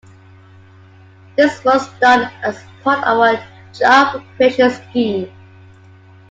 This was done as part of a job-creation scheme.